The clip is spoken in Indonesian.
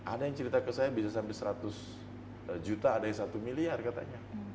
ada yang cerita ke saya bisa sampai seratus juta ada yang satu miliar katanya